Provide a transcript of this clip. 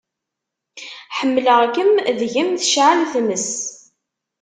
Ḥemmleɣ-kem deg-m tecɛel tmes.